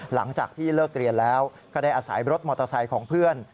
หลังจากที่เลิกเรียนแล้วก็ได้อาศัยรถมอเตอร์ไซค์ของเพื่อน